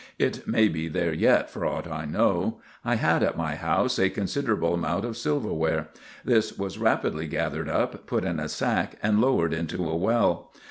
It may be there yet for aught I know. I had at my house a considerable amount of silver ware. This was rapidly gathered up, put in a sack and lowered into a well.